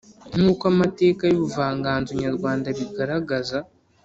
Nkuko amateka y’ubuvanganzo nyarwanda abigaragaza